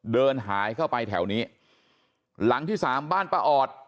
เดินหายเข้าไปแถวนี้หลังที่สามบ้านป้าออด